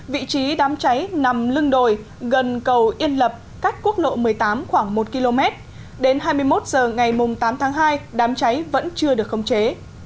vị trí đám cháy nằm lưng đồi gần cầu yên lập cách quốc lộ một mươi tám khoảng một km đến hai mươi một h ngày tám tháng hai đám cháy vẫn chưa được khống chế